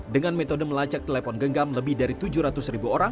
dengan metode melacak telepon genggam lebih dari tujuh ratus ribu orang